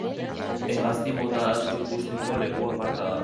Hegazti mota asko ikusteko leku aparta da.